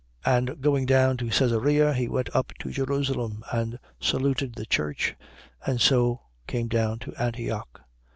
18:22. And going down to Caesarea, he went up to Jerusalem and saluted the church: and so came down to Antioch.